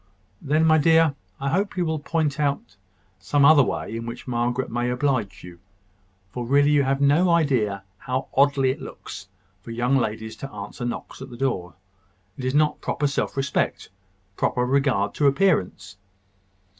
"Then, my dear, I hope you will point out some other way in which Margaret may oblige you; for really you have no idea how oddly it looks for young ladies to answer knocks at the door. It is not proper self respect, proper regard to appearance.